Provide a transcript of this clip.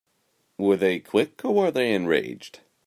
Were they quick or were they enraged?